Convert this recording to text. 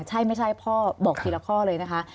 ใช่ไม่ใช่พ่อบอกทีละข้อเลยนะคะ